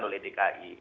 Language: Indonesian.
bukan oleh dki